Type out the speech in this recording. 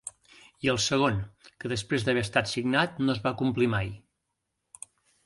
I el segon, que després d’haver estat signat no es va complir mai.